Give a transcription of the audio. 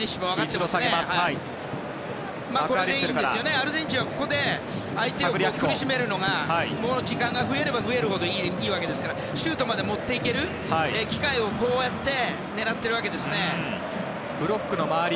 アルゼンチンはここで相手を苦しめる時間が増えれば増えるほどいいわけですからシュートまで持っていける機会をこうやってブロックの周り